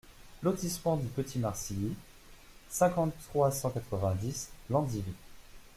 Lotissement du Petit Marcilly, cinquante-trois, cent quatre-vingt-dix Landivy